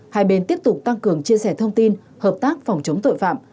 hai bên tiếp tục tăng cường chia sẻ thông tin hợp tác phòng chống tội phạm